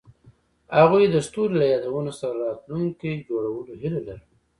هغوی د ستوري له یادونو سره راتلونکی جوړولو هیله لرله.